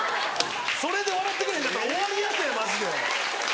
それで笑ってくれへんかったら終わりやってマジで。